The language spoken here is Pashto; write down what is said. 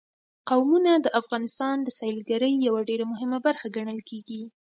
قومونه د افغانستان د سیلګرۍ یوه ډېره مهمه برخه ګڼل کېږي.